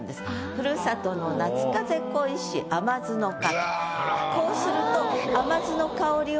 「ふるさとの夏風恋し甘酢の香」と。